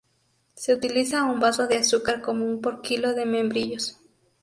Se utiliza un vaso de azúcar común por kilo de membrillos.